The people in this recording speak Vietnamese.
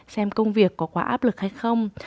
xem công việc có quá áp lực hay không